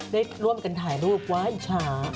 ได้ร่วมกันถ่ายรูปไว้อิจฉา